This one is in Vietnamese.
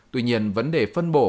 tuy nhiên vấn đề phân bổ